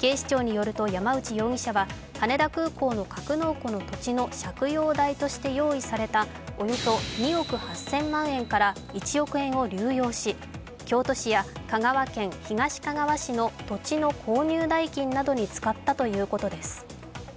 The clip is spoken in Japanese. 警視庁によると山内容疑者は羽田空港格納庫の土地の借用代として用意されたおよそ２億８０００万円から１億円を流用し京都市や香川県東かがわ市の土地の購入代金などに使ったということです。